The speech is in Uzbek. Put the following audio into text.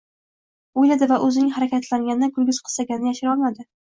— o‘yladi u va o‘zining hayratlanganidan kulgisi qistaganini yashira olmadi.